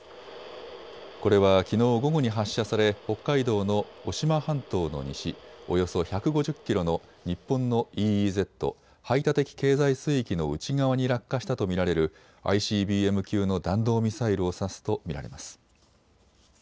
これはきのう午後に発射され北海道の渡島半島の西およそ１５０キロの日本のＥＥＺ・排他的経済水域の内側に落下したと見られるＩＣＢＭ級の弾道ミサイルを指すと見られます。